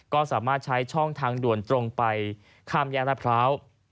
ก็สามารถใช้ช่องทางด่วนตรงไปข้ามแยกรัฐพร้าว